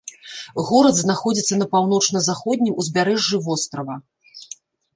Горад знаходзіцца на паўночна-заходнім узбярэжжы вострава.